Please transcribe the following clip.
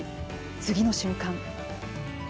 次の瞬間。